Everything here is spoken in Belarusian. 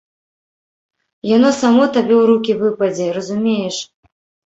Яно само табе ў рукі выпадзе, разумееш.